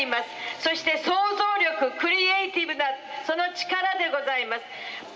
そして創造力、クリエーティブな、その力でございます。